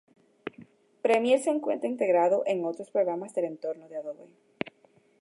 Premiere se encuentra integrado con otros programas del entorno de Adobe.